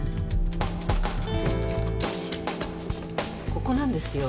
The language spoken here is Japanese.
ここなんですよ。